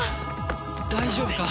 大丈夫か？